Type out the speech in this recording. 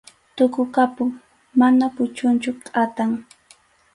Tukukapun, mana puchunchu, kʼatam.